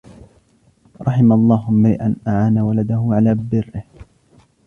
رَحِمَ اللَّهُ امْرَأً أَعَانَ وَلَدَهُ عَلَى بِرِّهِ